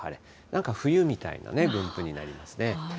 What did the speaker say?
なんか冬みたいな分布になりますね。